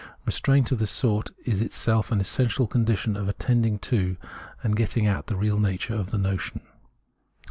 Restraint of this sort is itself an essential condition of attending to and getting at the real nature of the notion.